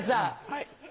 はい。